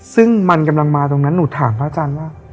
ซึ่งมันกำลังมาตรงนั้นหนูถามพระอาจารย์ว่า